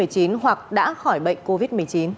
hoặc đã khỏi bệnh covid một mươi chín